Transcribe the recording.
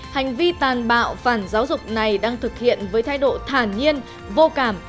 hành vi tàn bạo phản giáo dục này đang thực hiện với thái độ thản nhiên vô cảm